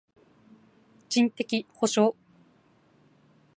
人的補償